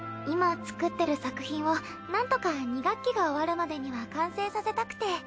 今作ってる作品をなんとか２学期が終わるまでには完成させたくて。